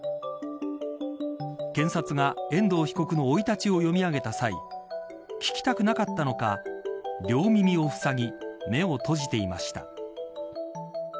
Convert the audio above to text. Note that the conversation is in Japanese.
検察が遠藤被告の生い立ちを読み上げた際聞きたくなかったのか両耳をふさぎ目を閉じていました。